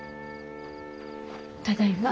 ただいま。